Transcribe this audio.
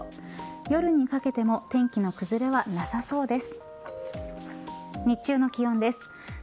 夜にかけても天気の崩れはなさそうです。